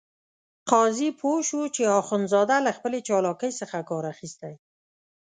قاضي پوه شو چې اخندزاده له خپلې چالاکۍ څخه کار اخیستی.